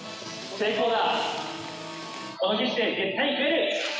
成功だ。